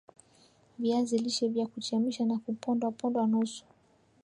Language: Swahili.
Viazi lishe vya kuchemshwa na kupondwapondwa nusu